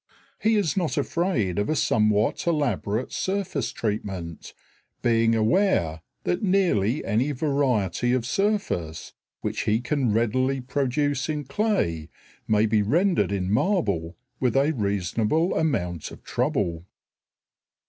He is not afraid of a somewhat elaborate surface treatment, being aware that nearly any variety of surface which he can readily produce in clay may be rendered in marble with a reasonable amount of trouble.